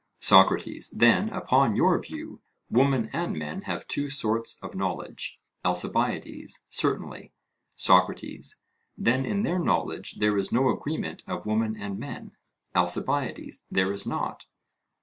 SOCRATES: Then, upon your view, women and men have two sorts of knowledge? ALCIBIADES: Certainly. SOCRATES: Then in their knowledge there is no agreement of women and men? ALCIBIADES: There is not.